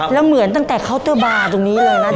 แล้วเหมือนตั้งแต่เคาน์เตอร์บาร์ตรงนี้เลยนะ